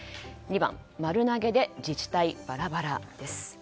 丸投げで自治体バラバラです。